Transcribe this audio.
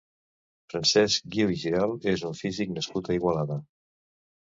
Francesc Guiu i Giralt és un físic nascut a Igualada.